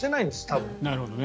多分。